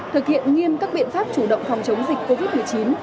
thực hiện nghiêm các biện pháp chủ động phòng chống dịch covid một mươi chín